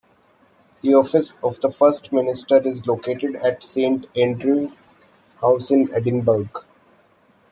The Office of the First Minister is located at Saint Andrews House in Edinburgh.